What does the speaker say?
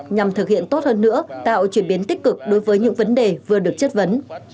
nhằm thực hiện tốt hơn nữa tạo chuyển biến tích cực đối với những vấn đề vừa được chất vấn